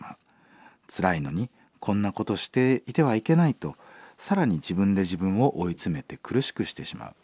つらいのにこんなことしていてはいけないと更に自分で自分を追い詰めて苦しくしてしまう。